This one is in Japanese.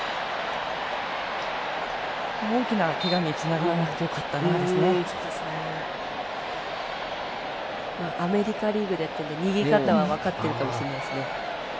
大きなけがにつながらなくてアメリカリーグだったので逃げ方は分かってるかもしれないですね。